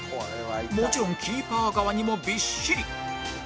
もちろんキーパー側にもビッシリ！